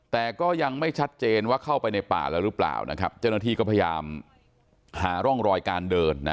แต่ก็ยังไม่ชัดเจนว่าเข้าไปในป่าแล้วหรือเปล่านะครับเจ้าหน้าที่ก็พยายามหาร่องรอยการเดินนะ